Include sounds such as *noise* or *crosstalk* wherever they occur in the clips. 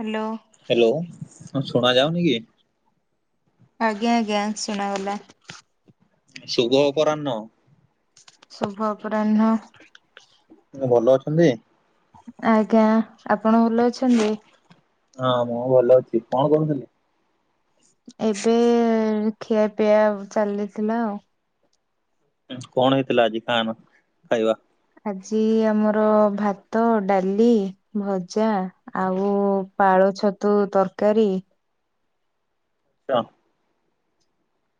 Hello hello କଣ୍ ଶୁଣା ଯାଉନି କି? ଆଜ୍ଞା ଆଜ୍ଞା ଶୁଣାାଗଲା। ଶୁଭ ଅପରାହ୍ନ। ଶୁଭ ଅପରାହ୍ନ। ଏଁ ଭଲ ଅଛନ୍ତି? ଆଜ୍ଞା। ଆପଣ ଭଲ ଅଛନ୍ତି? ହଁ ମୁଁ ଭଲ ଅଛି କଣ କରୁଥିଲି? ଏବେ ଖିଆପିଆ ଚାଲିଥିଲା ଆଉ। ହୁଁ କଣ ହେଇଥିଲା ଆଜି ଖାନା ଖାଇବା? ଆଜି ଆମର ଭାତ, ଡାଲି, ଭଜା ଆଉ ପାଳ ଛତୁ ତର୍କାରୀ। ଚଁ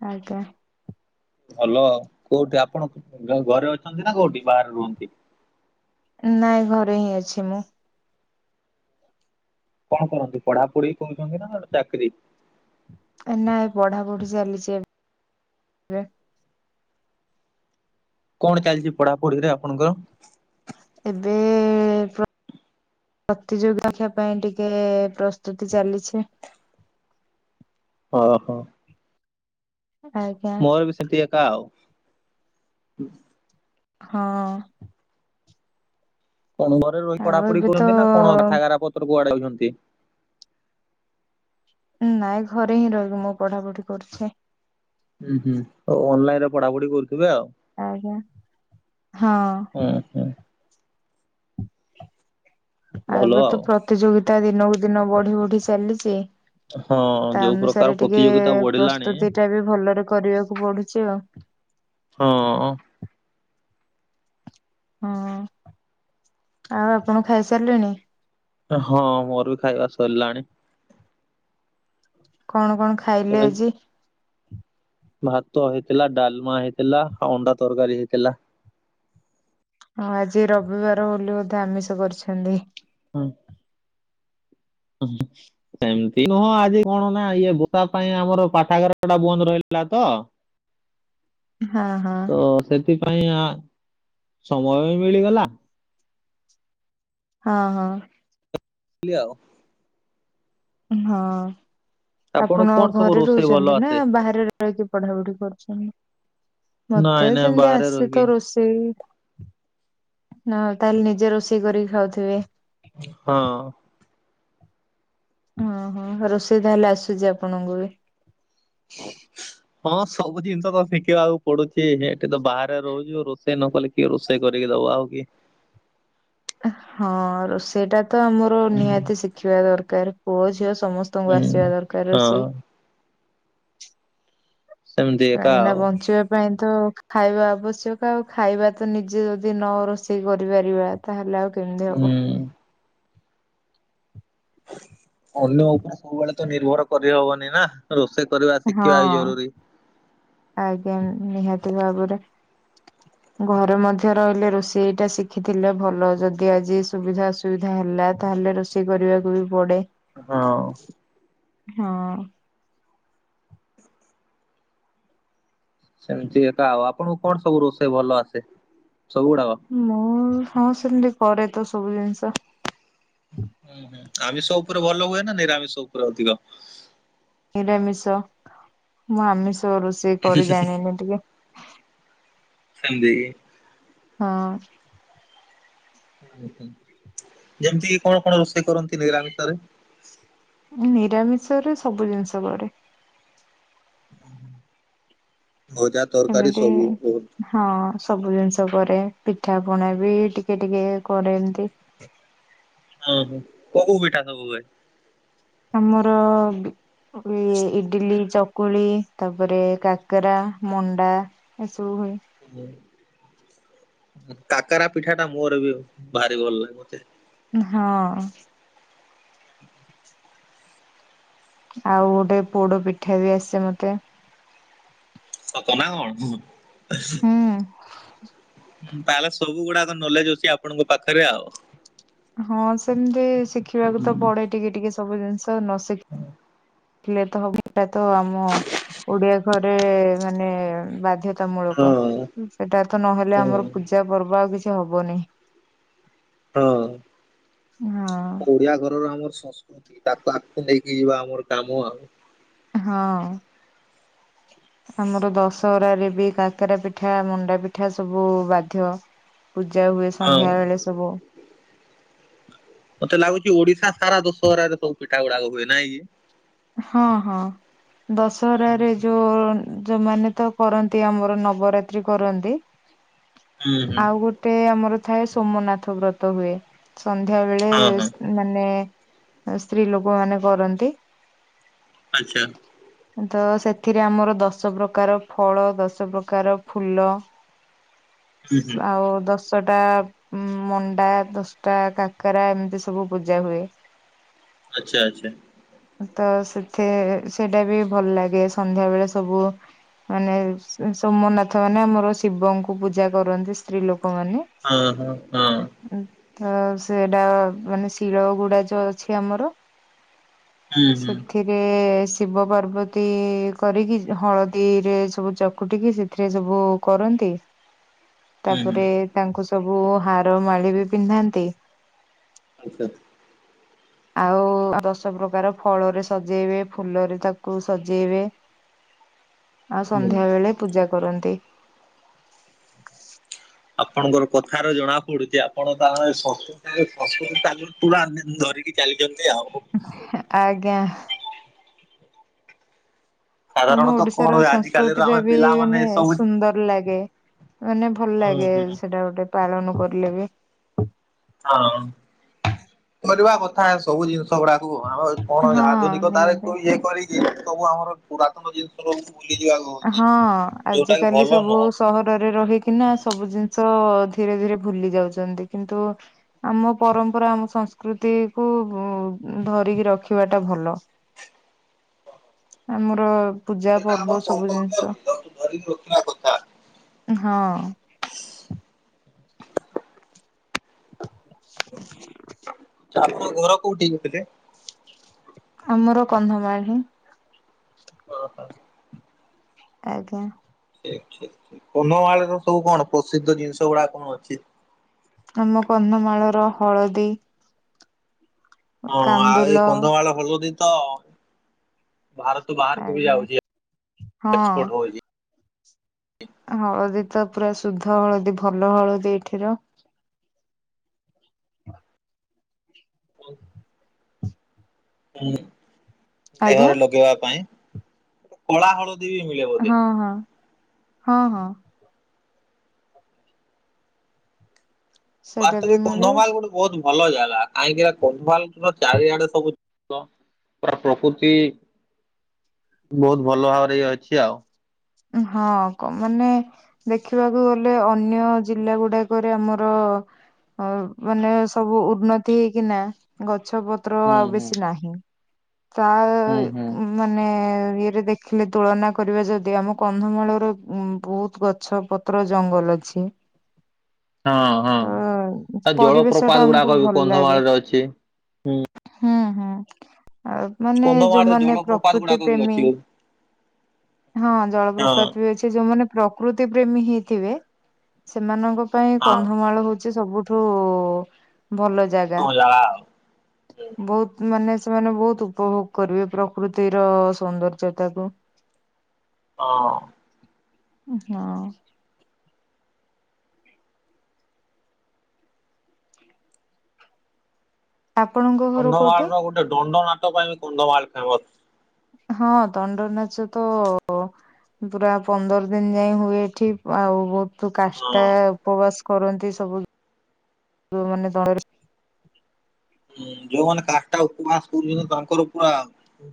ଆଜ୍ଞା। ଭଲ, କୋଉଠି ଆପଣ ଗ ଘରେ ଅଛନ୍ତି ନା କୋଉଠି ବାହାରେ ରୁହନ୍ତି? ନାଇଁ ଘରେ ହିଁ ଅଛି ମୁଁ। କଣ କରନ୍ତି ପଢାପଢି କରୁଚନ୍ତିନା ନା ଚାକ୍ରି? ଏ ନା ଏବେ ପଢା ପଢି ଚାଲିଛି ଏବେ। କଣ ଚାଲିଚି ପଢାପଢିରେ ଆପଣଙ୍କର? ଏବେ--ପ୍ର ପ୍ରତିଯୋଗୀ ରଖିବା ପାଇଁ ଟିକେ ପ୍ରସ୍ତୁତି ଚାଲିଛି। ଓ ହୋ। ଆଜ୍ଞା। ମୋର ବି ସେମ୍ତି ଏକା ଆଉ। ହଁ। କଣ ଘରେ ରହି ଆଉ ପଢାପଢ଼ି ଏବେ କରନ୍ତି ନା କଣ ତ ପାଠାଗାରା ପତ୍ର କୁଆଡେ ଯାଉଛନ୍ତି? ନାଇଁ ଘରେ ହିଁ ରହିକି ମୁଁ ପଢା ପଢି କରୁଛେଁ। ହୁଁ ହୁଁ ହଉ ଅନଲାଇନ୍ ରେ ପଢା ପଢି କରୁଥିବେ ଆଉ। ଆଜ୍ଞା। ହଁ। ଉଁ ହୁଁ। ଆଉ ଏବେ ତ ପ୍ରତିଯୋଗିତା ଦିନକୁ ଦିନ ବଢି ବଢି ଚାଲିଚି। ହଁ ତା ଯୋଉ ପ୍ରକାର ଅନୁସାରେ ଟିକେ ପ୍ରତିଯୋଗିତା ବଢିଲାଣି ପ୍ରସ୍ତୁତି ଟା ବି ଭଲରେ କରିବାକୁ ପଡୁଛି ଆଉ। ହଁ--ଅଁ ହଁ--ଆଉ ଆପଣ ଖାଇସାରିଲେଣି? ହଁ ମୋର ବି ଖାଇବା ସରିଲାଣି। କଣ କଣ ଖାଇଲେ ଏବେ ଆଜି? ଭାତ ହେଇଥିଲା, ଡାଲ୍ମା ହେଇଥିଲା ଆଉ ଅଣ୍ଡା ତରକାରୀ ହେଇଥିଲା। ହଁ ଆଜି ରବିବାର ବୋଲି ବଧେ ଆମିଷ କରିଛନ୍ତି। ହୁଁ। ହଁ। *unintelligible* ସେମିତି ନୁହଁ ଆଜି କଣ ନା ଇଏ ଭୋତା ପାଇଁ ଆମର ପାଠାଗାର ଟା ବନ୍ଦ ରହିଲା ତ ହଁ ହଁ ତ ସେଥିପାଇଁ ଆ ସମୟ ବି ମିଳିଗଲା ଅଁ ହଁ। ସେମିତି ଆଉ ହଁ। ଆପଣଙ୍କୁ ଆପଣ କଣ ସବୁ ଘରେ ରୋଷେଇ ଭଲ ରହୁଛନ୍ତି ନା ଆସେ? ବାହାରେ ରହିକି ପଢା ପଢି କରୁଛନ୍ତି? ନାଇଁ ମତେ ନାଇଁ ସେମିତି ବାହାରେ ଆସେ ରହିକି ତ ରୋଷେ ଉଁ--ହ। ତାହେଲେ ନିଜେ ରୋଷେଇ କରିକି ଖାଉଥିବେ? ହଁ। ଓ ହୋ ରୋଷେଇ ତାହେଲେ ଆସୁଛି ଆପଣଙ୍କୁ ବି *unintelligible* ହଁ ସବୁ ଜିନିଷ ତ ଶିଖିବାକୁ ପଡୁଛି ଏଠି ତ ବାହାରେ ରହୁଛିୁ ରୋଷେଇ ନ କଲେ କିଏ ରୋଷେଇ କରିକି ଦବ ଆଉ କିଏ। ହଁ ରୋଷେଇଟା ତ ଆମର ହୁଁ ନିହାତି ଶିଖିବା ଦରକାର ପୁଅ ଝିଅ ସମସ୍ତେ ତୁମକୁ ହୁଁ ଆସିବା ଦରକାର ହଁ ରୋଷେଇ। ସେମିତି ଏକା କାହିଁକି ନା ଆଉ ବଞ୍ଚିବା ପାଇଁ ତ ଖାଇବା ଆବଶ୍ୟକ ଆଉ ଖାଇବା ତ ନିଜେ ଯଦି ନ ରୋଷେଇ କରିପାରିବା ତାହେଲେ ଆଉ କେମିତି ହବ। ହୁଁ। ଅନ୍ୟ ଉପରେ ସବୁବେଳେ ତ ନିର୍ଭର କରିହବନି ନା ରୋଷେଇ କରିବା ହଁ ଶିଖିବା ବି ଜରୁରୀ। ଆଜ୍ଞା ନିହାତି ଭାବରେ। ଘରେ ମଧ୍ୟ ରହିଲେ ରୋଷେଇଟା ଶିଖିଥିଲେ ଭଲ ଯଦି ଆଜି ସୁବିଧା ଅସୁ ଅସୁବିଧା ହେଲା ତାହେଲେ ରୋଷେଇ କରିବାକୁ ବି ପଡେ। ହଁ ହଁ। ସେମିତି ଏକା ଆଉ ଆପଣଙ୍କୁ କଣ ସବୁ ରୋଷେଇ ଭଲ ଆସେ ସବୁ ଗୁଡାକ? ମୁଁ ହଁ ସେମିତି କରେ ତ ସବୁ ଜିନିଷ। ହୁଁ ହୁଁ ଆମିଷ ଉପରେ ଭଲ ହୁଏ ନା ନିରାମିଷ ଉପରେ ଅଧିକ? ନିରାମିଷ ମୁଁ ଆମିଷ ରୋଷେଇ କରି ଜାଣିନି ଟିକେ। ଖାଲି। *unintelligible* ହଁ। ଯେମିତି କି କଣ କଣ ରୋଷେଇ କରନ୍ତି ନିରାମିଷ ରେ? ମୁଁ ନିରାମିଷ ରେ ସବୁ ଜିନିଷ କରେ। ଭାଜଟ। *unintelligible* ଏମିତି ହଁ ସବୁ ଜିନିଷ କରେ ପିଠା ପଣା ବି ଟିକେ ଟିକେ କରେ ଏମତି। ଓ ହୋ କୋଉ କୋଉ ପିଠା ସବୁ ହୁଏ? ଆମର ଇଏ ଇଡିଲ ଚକ୍ କୁଳି ତାପରେ କାକରା ମଣ୍ଡା ଏସବୁ ହୁଏ। କାକରା ପିଠା ଟା ମୋର ବି ଭାରି ଭଲ ଲାଗେଚେ। ହଁ। ଆଉ ଗୋଟେ ପୋଡ ପିଠା ବି ଆସେ ମତେ। ସତ ନା କଣ? ହୁଁ ହୁଁ। ତାହେଲେ ସବୁ ଗୁଡ଼ାକ ନଲେଜ ଅଛି ଆପଣଙ୍କ ପାଖରେ ଆଉ। ହଁ ସେମିତି ଶିଖିବାକୁ ତ ପଡ଼େ ଟିକେ ଟିକେ ସବୁ ଜିନିଷ ନ ଶିଖ ତ ହବ ଏଇଟା ତ ଆମ ଓଡି଼ଆ ଘରେ ମାନେ ବାଧ୍ୟ ତା ମୂଳକ। ହଁ ସେଟା ତ ନହେଲେ ହୁଁ ଆମର ପୂଜା ପର୍ବ ଆଉ କିଛି ହବନି। ହଁ ହଁ ଓଡି଼ଆ ଘରର ଆମର ସଂସ୍କୃତି ତାକୁ ଆକୁ ନେଇକି ଯିବା ଆମର କାମ ଆଉ। ହଁ। ଆମର ଦଶହରା ରେ ବି କାକରା ପିଠା, ମଣ୍ଡା ପିଠା ସବୁ ବାଧ୍ୟ। ପୂଜା ହୁଏ ହଁ ସନ୍ଧ୍ୟା ବେଳେ ସବୁ। ମତେ ଲାଗୁଛି ଓଡି଼ଶା ସାରା ଦଶହରାରେ ସବୁ ପିଠା ଗୁଡାକ ହୁଏ ନାହିଁ କି? ହଁ ହଁ ଦଶହରାରେ ଯୋଉ ଯୋଉମାନେ ତ କରନ୍ତି ଆମର ନବରାତ୍ରି କରନ୍ତି। ହୁଁ ହୁଁ ଆଉ ଗୋଟେ ଆମର ଥାଏ ସୋମନାଥ ବ୍ରତ ହୁଏ। ସନ୍ଧ୍ୟା ବେଳେ ହଁ ହଁ ସେ ମାନେ ସ୍ତ୍ରୀ ଲୋକ ମାନେ କରନ୍ତି। ଆଚ୍ଛା। ତ ସେଥିରେ ଆମର ଦଶ ପ୍ରକାର ଫଳ, ଦଶ ପ୍ରକାର ଫୁଲ। ହୁଁ ହୁଁ ଆଉ ଦଶ୍ ଦଶଟା ମଣ୍ଡା, ଦଶଟା କାକରା ଏମିତି ସବୁ ପୂଜା ହୁଏ। ଆଚ୍ଛା ଆଚ୍ଛା। ତ ସେଥି ସେଇଟା ବି ଭଲ ଲାଗେ ସନ୍ଧ୍ୟା ବେଳେ ସବୁ ମାନେ ସୋମନାଥ ମାନେ ଆମର ଶିବଙ୍କୁ ପୂଜା କରନ୍ତି ସ୍ତ୍ରୀ ଲୋକମାନେ। ହଁ ହୁଁ ହୁଁ। ତ ସେଟା ମାନେ ଶିଳ ଗୁଡ଼ା ଯୋଉ ଅଛି ଆମର। ହୁଁ ହୁଁ ସେଠି। ଏଥିରେ ଶିବ ପାର୍ବତୀ କରିକି ହଳଦୀରେ ସବୁ ଚକୁଟିକି ସେ ସେଥିରେ ସବୁ କରନ୍ତି। ହୁଁ ହୁଁ ତାପରେ ତାଙ୍କୁ ସବୁ ହାର ମାଳି ବି ପିନ୍ଧାନ୍ତି। ଆଚ୍ଛା। ଆଉ---ଆ ଦଶ ପ୍ରକାର ଫଳରେ ସଜେଇବେ। ଫୁଲରେ ତାକୁ ସଜେଇବେ। ଆଉ ହୁଁ। ସନ୍ଧ୍ୟା ବେଳେ ପୂଜା କରନ୍ତି। ଆପଣଙ୍କର କଥାର ଜଣା ପଡ଼ୁଚି, ଆପଣ ତାହା ସଂସ୍କୃ ସଂସ୍କୃତି କି ପୁରା ଆମେ ଧରିକି ଚାଲିଛନ୍ତି ଆଉ। ଆଜ୍ଞା। ଆମ ସାଧାରଣତଃ କଣ ଓଡି଼ଶାର ହୁଏ ଆଜିକାଲିର ସଂସ୍କୃତି ଟା ଆମେ ବି ପିଲାମାନେ ମାନେ ଏ ସବୁ ହୁଁ ସୁନ୍ଦର ଲାଗେ। ମାନେ ଭଲ ଲାଗେ ହୁଁ ସେଟା ଗୋଟେ ପାଳନ କରିଲେ ବି। ହଁ। କରିବା କଥା ସବୁ ଜିନିଷ ଗଡ଼ାକୁ ଆମ କଣ ହଁ ଆଧୁନିକତାରେ ନିହାତି। ଇଏ କରିକି ସବୁ ଆମର ପୁରାତନ ଜିନିଷ ସବୁ ଭୁଲି ଯିବାକୁ ହଉଛି ହଁ, ଯୋଉଟା କି ଆଜିିକାଲି ଭଲ ସବୁ ନୁହଁ। ସହରରେ ରହିିକି କିନା ସବୁ ଜିନିଷ ଧୀରେ ଧୀରେ ଭୁଲି ଯାଉଚନ୍ତି। କିନ୍ତୁ ଆମ ପରମ୍ପରା ଆମ ସଂସ୍କୃତି କୁ ବୁ ଧରିକି ରଖିବା ଟା ଭଲ। ଆମର ପୂଜା ସେଟା ଆମର ପର୍ବ ସବୁ ଜିନିଷ। କର୍ତ୍ତବ୍ୟ ତାକୁ ଧରିକି ରଖିବା କଥା। ହଁ। ଆ ଆପଣ ଘର କୋଉଠି କହୁଥିଲେ? ଆମର କନ୍ଧମାଳ ହିଁ। ଆଜ୍ଞା। କନ୍ଧମାଳରେ ସବୁ କଣ ପ୍ରସିଦ୍ଧ ଜିନିଷ ଗୁଡା କଣ ଅଛି? ଆମ କନ୍ଧମାଳର ହଳଦୀ। ହଁ ଆଏ ଏଇ କାନ୍ଦୁଲ କନ୍ଧମାଳ ହଳଦୀ ତ ଭାରତ ସେ ବାହାରକୁ ବି ଆଜ୍ଞା ଯାଉଚି ଏକ୍ସପଟ ହଳଦି। ଆମ ହଳଦୀ ତ ପ୍ରାୟ ଶୁଦ୍ଧ ହଳଦୀ ଭଲ ହଳଦୀ ଏଇଠିର। ହଉ----ଉଁ ଆଜ୍ଞା ଦେହରେ ଲଗେଇବା ପାଇଁ କଳା ହଳଦୀ ବି ମିଲିବ। ହଁ ହଁ ହଁ ହଁ। ସେଇଟା ବାସ୍ତବରେ ବି ମିଳେ କନ୍ଧମାଲ ଗୋଟେ ବହୁତ ଭଲ ଜାଗା କାହିଁକି କନ୍ଧମାଳର ଚାରିଆଡେ ସବୁ ତ। ତା ପ୍ରକୃତି ବହୁତ ଭଲ ଭାବରେ ଇ ଅଛି ଆଉ। ହଁ କ ମାନେ ଦେଖିବାକୁ ଗଲେ ଅନ୍ୟ ଜିଲ୍ଲା ଗୁଡାକ। ଏବେ ଆମର ମାନେ ସବୁ ଉନ୍ନତି ହେଇକିନା ଗଛ ପ ତ୍ର ହୁଁ ଆଉ ହୁଁ ବେଶି ନାହିଁ ତା ହୁଁ ହୁଁ। ଉଁ। ମାନେ ଇଏରେ ଦେଖିଲେ ତୁଳନା କରିବା ଯଦି ଆମକୁ। କନ୍ଧମାଳର ଉ ବହୁତ ଗଛ ପତ୍ର ଜଙ୍ଗଲ ଅଛି। ହଁ ହଁ ଉଁ ଆଉ ପରିବେଶ ଜଳପ୍ରପାତ ଟା ଗୁଡାକ ଆମକୁ ବି ଭଲ ଲାଗେ। କନ୍ଧମାଳରେ ଅଛି। ହୁଁ ହୁଁ ହୁଁ ଆଉ। ମାନେ କନ୍ଧମାଳରେ ଯୋଉମାନେ ଜଳପ୍ରପାତ ପ୍ରକୃତି ଗୁଡାକ ବି ପ୍ରେମୀ ଅଛି ହଁ ହଁ ଜଳ ହଁ ପ୍ରପାତ ବି ଅଛି ଯୋଉମାନେ ପ୍ରକୃତି ପ୍ରେମୀ ହେଇଥିବେ। ସେମାନଙ୍କ ପାଇଁ କନ୍ଧମାଳ ହଉଚି ସବୁଠୁ ଭଲ ଜା ତୁ ଜଳାଅ। ବହୁତ ମାନେ ସେମାନେ ବହୁତ ଉପଭୋଗ କରିବେ ପ୍ରକୃତିର ସୌନ୍ଦର୍ଯ୍ୟତାକୁ। ଅଁ ହଁ ଆପଣଙ୍କୁ। କନ୍ଧମାଳର ଗୋଟେ ଡ଼ଣ୍ଡ ନାଟ ପାଇଁ କନ୍ଧମାଳ ଫେମସ। ହଁ ଦଣ୍ଡ ନାଚ ତ----ଅ ପୁରା ପନ୍ଦର ଦିନ ଯାଏ ହୁଏ ଏଠି! ଆଉ ବହୁତ ତୁ କାଷ୍ଟା ହଁ ଉପବାସ କରନ୍ତି ସବୁ -ଯୋଉ ମାନେ ଦଳରେ ହୁଁ ଯୋଉମାନେ କାଷ୍ଟା ଉପବାସ କରୁଛନ୍ତି ତାଙ୍କର ପୁରା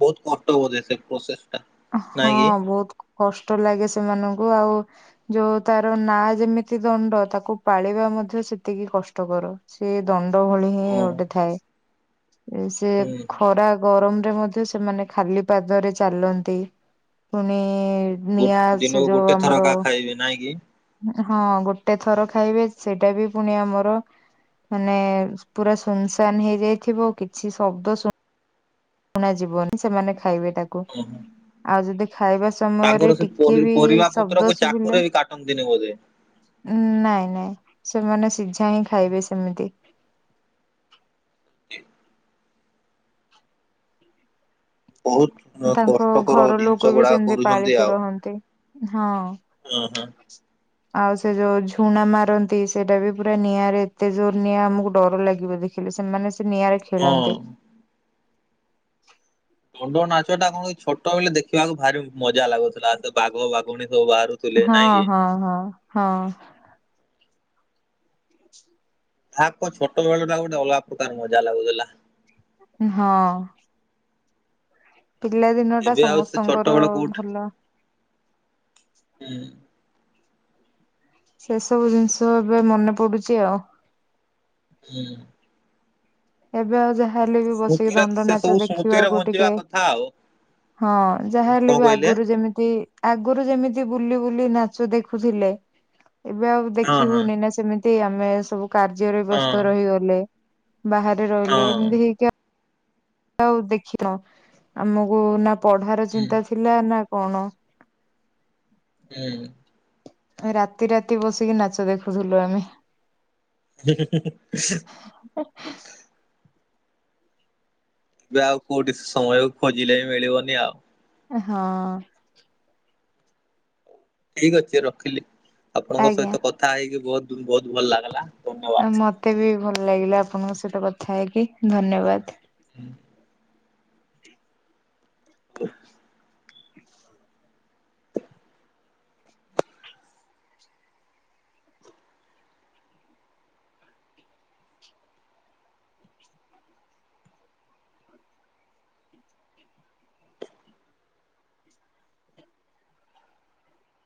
ବହୁତ କଷ୍ଟ ବୋଧେ ସେ ପ୍ରୋସେସ ଟା ହଁ ନାଇଁ କି ବହୁତୁ କଷ୍ଟ ଲାଗେ ସେମାନଙ୍କୁ ଆଉ ଯୋଉ ତାର ନା ଯେମିତି ଦଣ୍ଡ ତାକୁ ପାଳିବା ମଧ୍ୟ ସେତିକି କଷ୍ଟକର। ସେ ଦଣ୍ଡ ଭଳି ହିଁ ହଁ ଗୋଟେ ଥାଏ। ସେ ହୁଁ। ଖରା ଗରମରେ ମଧ୍ୟ ସେମାନେ ଖାଲି ପାଦରେ ଚାଲନ୍ତି। ପୁଣି ଗୋ ନିଆଁ ସେ ଦିନକୁ ଯୋଉ ଗୋଟେ ଆମର ଥରକା ଖାଇବେ ନାଇଁ କି? ହଁ ଗୋଟେ ଥର ଖାଇବେ ସେଇଟା ବି ପୁଣି ଆମର ମାନେ ପୁରା ସୁନସାନ ହେଇଯାଇଥିବ କିଛି ଶବ୍ଦ ଶୁଣା ଶୁଣା ଯିବନି ସେମାନେ ଖାଇବେ ତାକୁ ଆଉ ଯଦି ଖାଇବା *inaudible* ସମୟରେ ତାଙ୍କର ସେ ଟିକେ ପରି ବି ପରିବା ଶବ୍ଦ ପତ୍ରକୁ ଶୁଭିଲା ଚାକୁରେ ବି କାଟନ୍ତିନି ବୋଧେ। ନାଇଁ ନାଇଁ ସେମାନେ ସିଝା ହିଁ ଖାଇବେ ସେମିତି। ଜି। ବହୁତ ତାଙ୍କ କଷ୍ଟକର ଘର ଜିନିଷ ଲୋକ ବି ଗୁଡାକ ସେମିତି କରୁଛନ୍ତି ପାଳିକି ଆଉ। ରହନ୍ତି। ହଁ ହଁ ହଁ *inaudible* ଆଉ ସେ ଯୋଉ ଝୁଣା ମାରନ୍ତି ସେଟା ବି ପୁରା ନିଆଁରେ ଏତେ ଜୋର ନିଆଁ ଆମକୁ ଡର ଲାଗିବ ଦେଖି ହେଲେ ସେମାନେ ସେ ନିଆଁରେ ହଁ। ଖେଳନ୍ତି। ଦଣ୍ଡ ନାଚଟା କଣ ଛୋଟ ବେଲେଦେଖିବାକୁ ଭାରି ମଜା ଲାଗୁଥିଲା। ତ ବାଘ ବାଘୁଣୀ ସବୁ ବାହାରୁ ହଁ -ହଁ -ହଁ -ହଁ। ଯାହା କୁହ ଛୋଟ ବେଳ ଟା ଗୋଟେ ଅଲଗା ପ୍ରକାର ମଜା ଲାଗୁଥିଲା। ହଁ। ପିଲା ଦିନଟା ଏବେ ଆଉ ସେ ଛୋଟ ସମସ୍ତଙ୍କର ବେଳ ଅ କୋଉଠି ଭଲ- ହୁଁ। ସେ ସବୁ ଜିନିଷ ଏବେ ମନେ ପଡୁଚି ଆଉ। ହୁଁ। ଏବେ ଆଉ ଯାହାହେଲେ ବି ବସିକି ସ୍ମୃତିର ଦଣ୍ଡ ସେ ନାଚ ସବୁ ସ୍ମୃତିରେ ଦେଖିବାକୁ ବଞ୍ଚିବା ଟିକେ କଥା ଆଉ। ହଁ। ଯାହାହେଲେ କଣ ବି କହିଲେ ଆଗରୁ ଯେମିତି ଆଗରୁ ଯେମିତି ବୁଲି ବୁଲି ନାଚ ଦେଖୁଥିଲେ ଏବେ ଆଉ ହଁ ଦେଖି ହଁ ହଉନି ନା ସେମି ଏ ଆମେ ସବୁ କାର୍ଯ୍ୟରେ ହଁ ବ୍ୟସ୍ତ ରହିଗଲେ ବାହାରେ ରହିଲେ ହଁ ଏମିତି ହେଇକି ଆ ଆଉ ଦେଖିଥବ ଆମକୁ ନା ପଢାର ହୁଁ। ଚିନ୍ତା ଥିଲା ନା କଣ ହୁଁ। ରାତି ରାତି ବସିକି ନାଚ ଦେଖୁଥୁଲୁ ଆମେ। ହୁଁ ହୁଁ ହୁଁ। *inaudible* ଏବେ ଆଉ କୋଉଠି ସମୟ ଖୋଜିଲେ ବି ମିଳିବନି ଆଉ। ହଁ। ଠିକ ଅଛି ରଖିଲି ଆପଣଙ୍କ ଆଜ୍ଞା। ସହିତ କଥା ହେଇକି ବହୁତ ବହୁତ ଭଲ ଲାଗିଲା। ଧନ୍ୟବାଦ। ମତେ ବି ଭଲ ଲାଗିଲା ଆପଣଙ୍କ ସହିତ କଥା ହେଇକି ଧନ୍ୟବାଦ। ହୁଁ। *unintelligible*